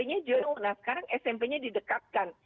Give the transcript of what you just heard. nya jauh nah sekarang smp nya didekatkan